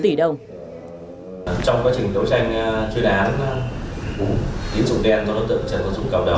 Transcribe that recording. trong quá trình đấu tranh chuyên án tín dụng đen cho đối tượng trần tân dũng cầm đồ